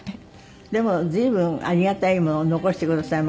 でも随分ありがたいものを残してくださいましたよね。